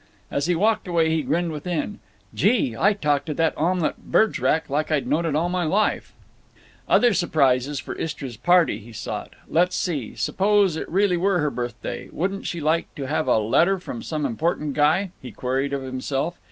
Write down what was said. As he walked away he grinned within. "Gee! I talked to that omelet Berg' rac like I'd known it all my life!" Other s'prises for Istra's party he sought. Let's see; suppose it really were her birthday, wouldn't she like to have a letter from some important guy? he queried of himself.